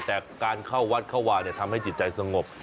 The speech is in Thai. แต่การเข้าวัดเข้าวาทำให้จิตใจสงบ